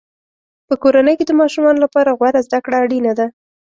په کورنۍ کې د ماشومانو لپاره غوره زده کړه اړینه ده.